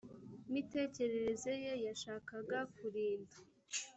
mitekerereze ye yashakaga kurinda